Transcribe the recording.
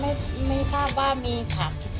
ไม่ได้มีเจตนาที่จะเล่ารวมหรือเอาทรัพย์ของคุณ